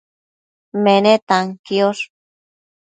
menetan quiosh